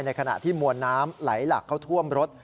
ขณะที่มวลน้ำไหลหลักเข้าท่วมรถ